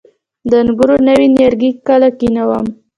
د انګورو نوي نیالګي کله کینوم؟